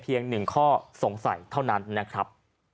โป่งแร่ตำบลพฤศจิตภัณฑ์